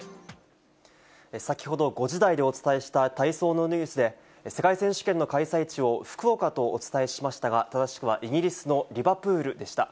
先ほど５時台でお伝えした体操のニュースで、世界選手権の開催地を福岡とお伝えしましたが、正しくはイギリスのリバプールでした。